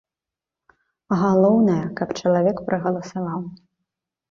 Галоўнае, каб чалавек прагаласаваў.